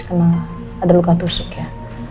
karena ada luka tusuk ya